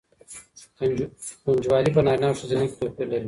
ګنجوالی په نارینه او ښځینه کې توپیر لري.